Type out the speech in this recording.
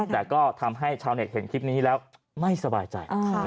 แต่ก็ทำให้ชาวเน็ตเห็นคลิปนี้แล้วไม่สบายใจ